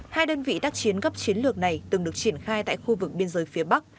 hai đơn vị tác chiến gấp chiến lược này từng được triển khai tại khu vực biên giới phía bắc